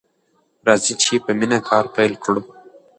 راځئ چې په مینه کار پیل کړو.